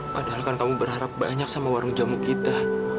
padahal kan kamu berharap banyak sama warung jamu kita